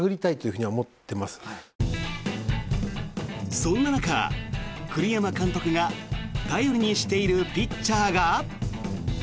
そんな中、栗山監督が頼りにしているピッチャーが。